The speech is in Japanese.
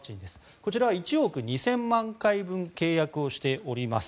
こちらは１億２０００万回分契約をしております。